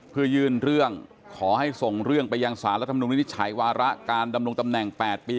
เพื่อยื่นเรื่องขอให้ส่งเรื่องไปยังสารรัฐมนุนิจฉัยวาระการดำรงตำแหน่ง๘ปี